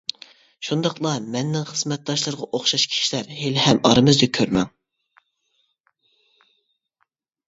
شۇنداقلا مەننىڭ خىزمەتداشلىرىغا ئوخشاش كىشىلەر ھېلىھەم ئارىمىزدا كۈرمىڭ.